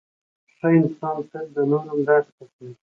• ښه انسان تل د نورو مرسته کوي.